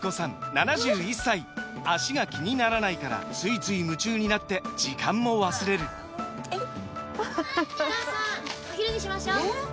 ７１歳脚が気にならないからついつい夢中になって時間も忘れるお母さんお昼にしましょうえー